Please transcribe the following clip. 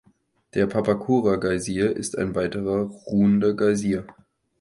Der Papakura-Geysir ist ein weiterer ruhender Geysir.